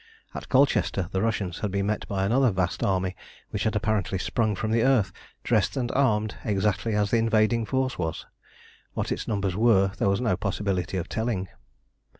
At Colchester the Russians had been met by another vast army which had apparently sprung from the earth, dressed and armed exactly as the invading force was. What its numbers were there was no possibility of telling.